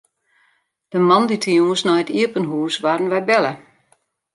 De moandeitejûns nei it iepen hûs waarden wy belle.